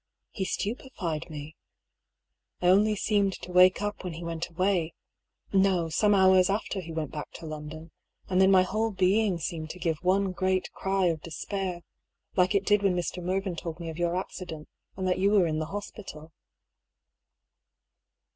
He stupefied me. I only seemed to wake up when he went away; no, some hours after he went back to London, and then my whole being seemed to give one great cry of despair, like it did when Mr. Mer vyn told me of your accident and that you were in the hospital.